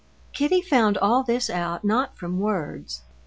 Kitty found all this out not from words.